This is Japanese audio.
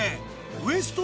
ウエスト